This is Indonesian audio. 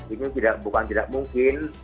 ini bukan tidak mungkin